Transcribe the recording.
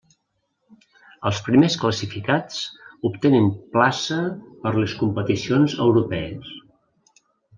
Els primers classificats obtenen plaça per les competicions europees.